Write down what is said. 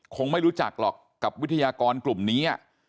คงไม่รู้จักหรอกกับวิทยากรกลุ่มนี้